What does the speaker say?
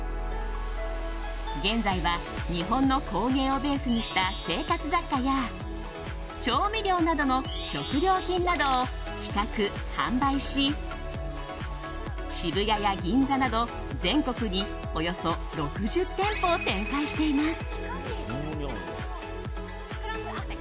現在は日本の工芸をベースにした生活雑貨や調味料などの食料品などを企画・販売し渋谷や銀座など全国におよそ６０店舗を展開しています。